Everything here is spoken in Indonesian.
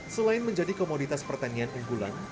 selain menjadi komoditas pertanian unggulan